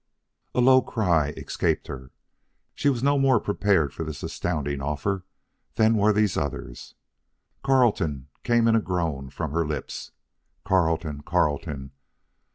A low cry escaped her. She was no more prepared for this astounding offer than were these others. "Carleton!" came in a groan from her lips. "Carleton! Carleton!"